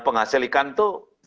penghasil ikan itu